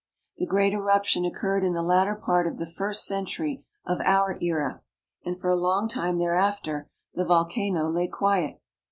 The great eruption occurred in the latter part of the first century of our era, and for a long time thereafter the volcano lay quiet.